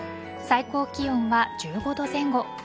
最高気温は１５度前後。